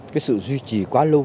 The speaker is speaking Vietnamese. cái sự duy trì quá lâu